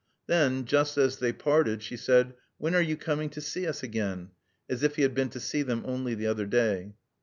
Then, just as they parted, she said, "When are you coming to see us again?" as if he had been to see them only the other day.